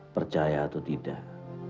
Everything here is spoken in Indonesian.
percaya atau tidak